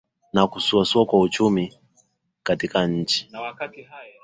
na kusuasua kwa uchumi katika nchi